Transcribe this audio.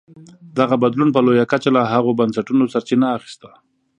دغه بدلون په لویه کچه له هغو بنسټونو سرچینه اخیسته.